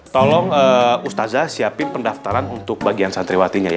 tolong eh ustadzah siapin pendaftaran untuk bagian santriwatinya ya